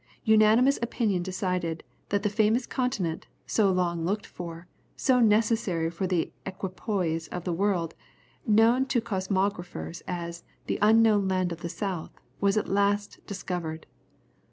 Unanimous opinion decided that the famous continent, so long looked for, so necessary for the equipoise of the world, known to cosmographers, as the "Unknown land of the South," was at last discovered!